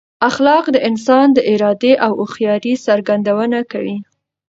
اخلاق د انسان د ارادې او هوښیارۍ څرګندونه کوي.